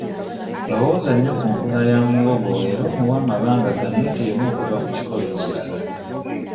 Lowooza nnyo ku nkula ya muwogo era omuwe amabanga ga mmita emu okuva ku kikolo ekirala.